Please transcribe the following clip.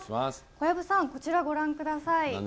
小籔さん、こちらご覧ください。